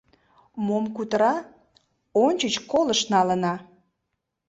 — Мом кутыра, ончыч колышт налына.